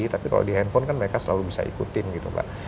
tapi kalau di handphone kan mereka selalu bisa ikutin gitu pak